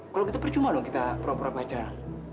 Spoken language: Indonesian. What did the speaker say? kalo gitu percuma dong kita pura pura pacar